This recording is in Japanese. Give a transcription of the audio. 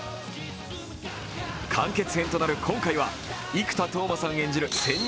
完結編となる今回は、生田斗真さん演じる潜入